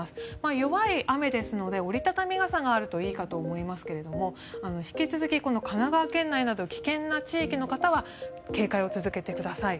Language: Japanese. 弱い雨ですので折り畳み傘があるといいかと思いますけれども引き続き、神奈川県内など危険な地域の方は警戒を続けてください。